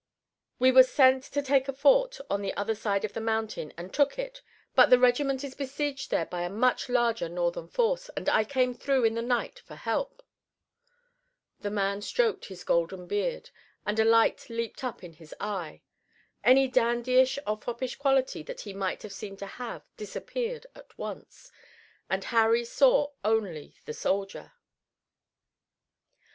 We were sent to take a fort on the other side of the mountain and took it, but the regiment is besieged there by a much larger Northern force, and I came through in the night for help." The man stroked his golden beard and a light leaped up in his eye. Any dandyish or foppish quality that he might have seemed to have disappeared at once, and Harry saw only the soldier.